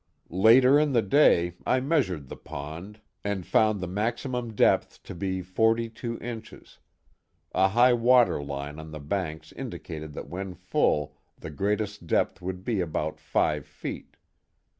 Later in the day I measured the pond and found the maximum depth to be forty two inches; a high water line on the banks indicated that when full the greatest depth would be about five feet.